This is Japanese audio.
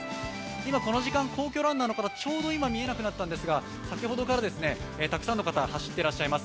今この時間皇居ランナーの皆さん、ちょうど見えなくなったんですが、先ほどからたくさんの方が走っていらっしゃいます。